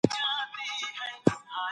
دغه سړي یو نوی خط ولیکی.